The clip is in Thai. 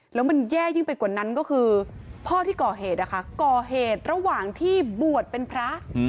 แล้วมันแย่ยิ่งไปกว่านั้นก็คือพ่อที่ก่อเหตุก่อเหตุระหว่างที่บวชเป็นพระ